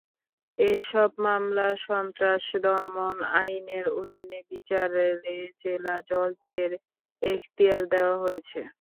এসব মামলা সন্ত্রাস দমন আইনের অধীনে বিচারে জেলা জজদের এখতিয়ার দেওয়া হয়েছে।